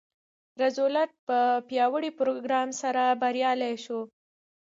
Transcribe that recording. روزولټ په پیاوړي پروګرام سره بریالی شو.